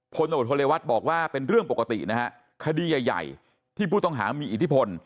พลโนโทเลวัตบอกว่าเป็นเรื่องปกติคดีใหญ่ที่ผู้ต้องหามีอิทธิพล